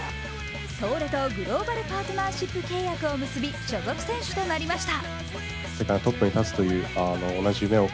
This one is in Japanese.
東レとグローバルパートナーシップ契約を結び、所属選手になりました。